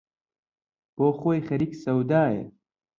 بۆ خۆی خەریک سەودایە